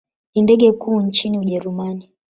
Ni ndege kuu nchini Ujerumani.